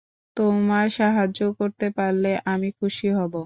তোমার সাহায্য করতে পারলে আমি খুশি হবো।